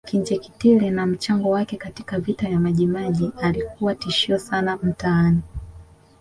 Kinjeketile na mchango wake katika Vita ya Majimaji Alikuwa tishio sana mtaani